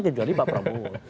kecuali pak prabowo